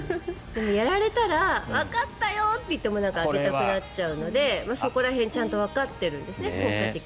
やられたらわかったよ！と言ってあげたくなっちゃうのでそこら辺、効果的だとわかっているんですね。